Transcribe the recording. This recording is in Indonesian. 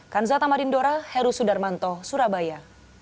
kanzata marindora heru sudarmanto surabaya